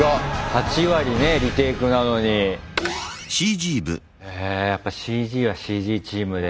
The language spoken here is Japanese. ８割ねリテイクなのに。へやっぱＣＧはＣＧチームで。